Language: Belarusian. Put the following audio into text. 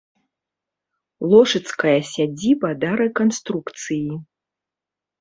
Лошыцкая сядзіба да рэканструкцыі.